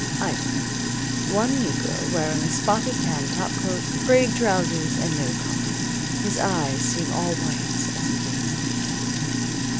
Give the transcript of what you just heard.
Item: One negro wearing a spotted tan topcoat, frayed trousers and no collar. His eyes seem all whites as he gazes.